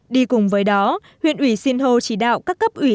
đi cùng với đó huyện ủy sinh hồ chỉ đạo các cấp ủy